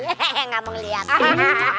gak mau ngeliatin